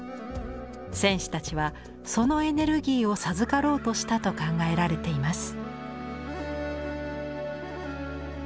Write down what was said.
戦士たちはそのエネルギーを授かろうとしたと考えられています。